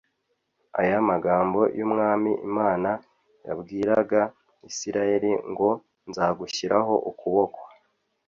Aya magambo y'Umwami Imana yabwiraga Isirayeli ngo: «Nzagushyiraho ukuboko;